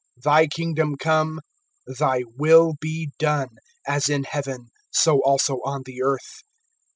(10)Thy kingdom come; thy will be done, as in heaven, so also on the earth.